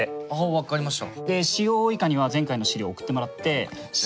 分かりました。